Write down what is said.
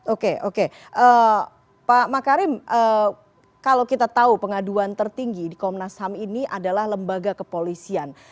oke oke pak makarim kalau kita tahu pengaduan tertinggi di komnas ham ini adalah lembaga kepolisian